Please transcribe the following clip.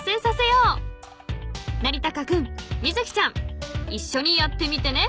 ［なりたか君みずきちゃんいっしょにやってみてね］